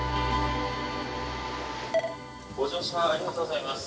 「ご乗車ありがとうございます。